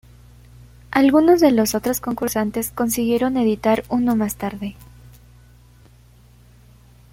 Algunos de los otros concursantes consiguieron editar uno más tarde.